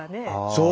そう！